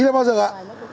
tí là bao giờ ạ